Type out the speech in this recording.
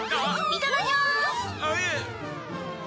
いただきます！